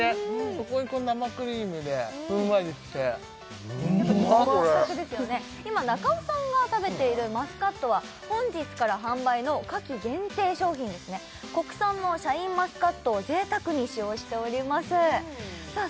そこへこの生クリームでふんわりしてうんまっこれ今中尾さんが食べているマスカットは本日から販売の夏季限定商品ですね国産のシャインマスカットを贅沢に使用しておりますさあ